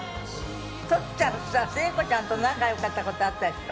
トシちゃんさ、聖子ちゃんと仲よかったことあったでしょ？